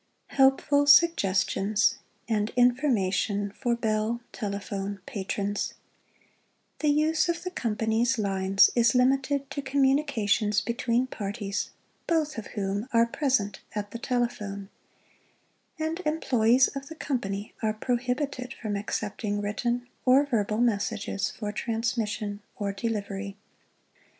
Helpful Suggestions and Information for Bell Telephone Patrons The Use of the Company's Lines is limited to communications between parties, both of whom are present at the telephone, and em ployees of the Company are prohibited from accepting written or verbal messages for transmission or delivery.